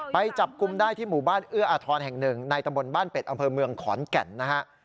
ไปจับกลุ่มได้ที่หมู่บ้านเอื้ออาทรแห่งหนึ่งในตำบลบ้านเป็ดอำเภอเมืองขอนแก่นนะฮะ